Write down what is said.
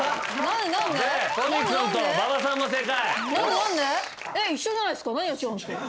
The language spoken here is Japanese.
都仁君と馬場さんも正解。